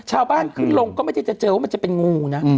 ชาวบ้านขึ้นลงก็ไม่ได้จะเจอว่ามันจะเป็นงูนะ